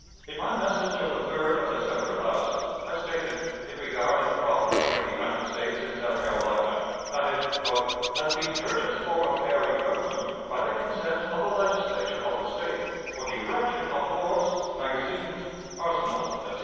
In my message of the 3d of December last, I stated, in regard to the property of the United States in South Carolina, that it "has been purchased for a fair equivalent 'by the consent of the Legislature of the State, for the erection of forts, magazines, arsenals,' etc.